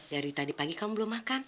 dari tadi pagi kamu belum makan